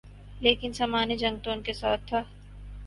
لیکن سامان جنگ تو ان کے ساتھ تھا۔